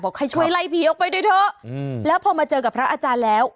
ให้ช่วยไล่ผีออกไปด้วยเถอะแล้วพอมาเจอกับพระอาจารย์แล้ว